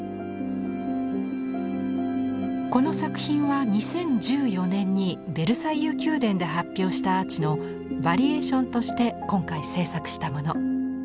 この作品は２０１４年にベルサイユ宮殿で発表したアーチのバリエーションとして今回制作したもの。